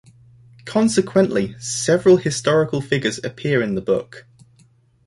Consequently, several historical figures appear in the book.